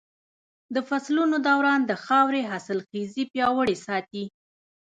د فصلونو دوران د خاورې حاصلخېزي پياوړې ساتي.